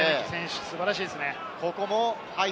素晴らしいですね。